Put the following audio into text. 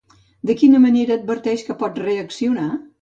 De quina manera adverteix que pot reaccionar?